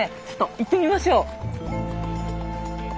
ちょっと行ってみましょう。